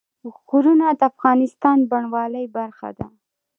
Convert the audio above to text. غرونه د افغانستان د بڼوالۍ برخه ده.